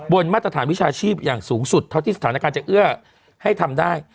มาตรฐานวิชาชีพอย่างสูงสุดเท่าที่สถานการณ์จะเอื้อให้ทำได้